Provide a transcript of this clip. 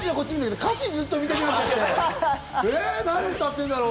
歌詞をずっと見たくなっちゃって、何、歌ってるんだろう？